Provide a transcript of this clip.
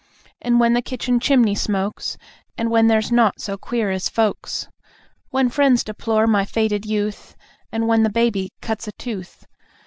And when the kitchen chimney smokes, And when there's naught so "queer" as folks! When friends deplore my faded youth, And when the baby cuts a tooth.